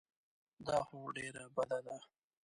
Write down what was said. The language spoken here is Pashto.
دا خو ډېره بده ده.